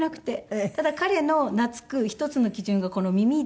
ただ彼の懐く一つの基準がこの耳で。